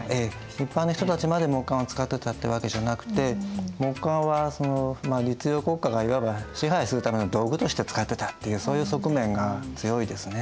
一般の人たちまで木簡を使ってたってわけじゃなくて木簡は律令国家がいわば支配するための道具として使ってたっていうそういう側面が強いですね。